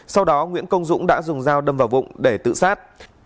sau đó nguyễn công dũng đã dùng dao đâm vào vụng để tự sát